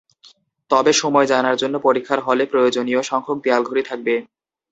তবে সময় জানার জন্য পরীক্ষার হলে প্রয়োজনীয় সংখ্যক দেয়াল ঘড়ি থাকবে।